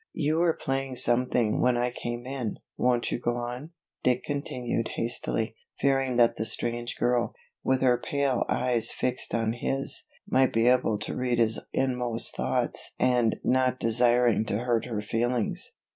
"You were playing something when I came in, won't you go on," Dick continued hastily, fearing that the strange girl, with her pale eyes fixed on his, might be able to read his inmost thoughts and not desiring to hurt her feelings.